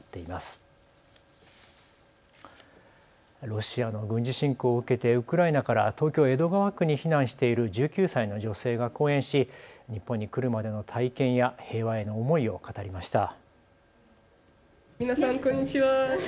ロシアの軍事侵攻を受けてウクライナから東京江戸川区に避難している１９歳の女性が講演し日本に来るまでの体験や平和への思いを語りました。